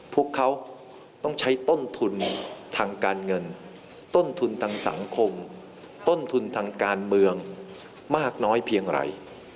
พวกเขาต้องใช้ต้นทุนทางการเงินต้นทุนทางสังคมต้นทุนทางการเมืองมากน้อยเพียงไร